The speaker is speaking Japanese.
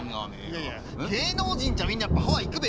いやいや芸能人っちゃみんなやっぱハワイ行くべや。